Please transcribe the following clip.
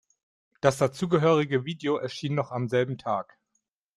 Das dazugehörige Video erschien noch am selben Tag.